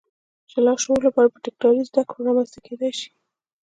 چې د لاشعور لپاره په تکراري زدهکړو رامنځته کېدای شي.